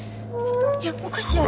いやおかしいやろ。